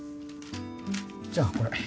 じゃあこれ。